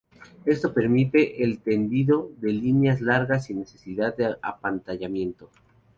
Esto permite el tendido de líneas largas sin necesidad de apantallamiento.